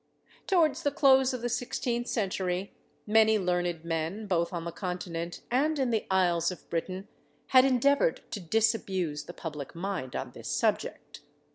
Towards the close of the sixteenth century, many learned men, both on the continent and in the isles of Britain, had endeavoured to disabuse the public mind on this subject.